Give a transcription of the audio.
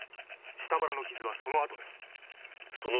下腹の傷はその後です。